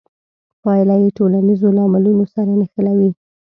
پایله یې ټولنیزو لاملونو سره نښلوي.